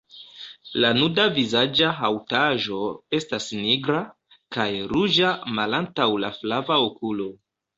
La nuda vizaĝa haŭtaĵo estas nigra, kaj ruĝa malantaŭ la flava okulo.